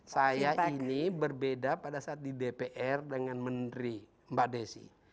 saya ini berbeda pada saat di dpr dengan menteri mbak desi